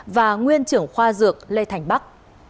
và nguyên trưởng khoa dược lê thành bắc